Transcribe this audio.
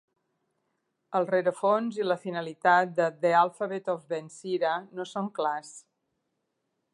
El rerefons i la finalitat de "The Alphabet of Ben-Sira" no són clars.